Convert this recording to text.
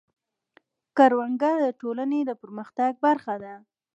کروندګر د ټولنې د پرمختګ برخه دی